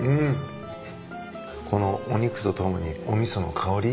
このお肉とともにお味噌の香り。